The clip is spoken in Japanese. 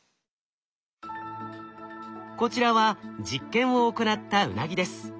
こちらは実験を行ったウナギです。